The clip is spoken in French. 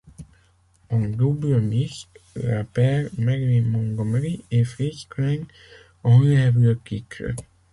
En double mixte, la paire Marilyn Montgomery et Fritz Klein enlève le titre.